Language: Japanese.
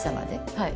はい。